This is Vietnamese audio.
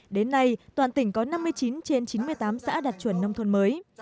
đến nay toàn tỉnh có năm mươi chín trên chín mươi tám xã đạt chuẩn nông thôn mới